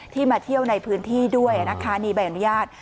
ที่มาเที่ยวในพื้นที่ด้วยอ่ะนะคะนี่บัยอนุญาต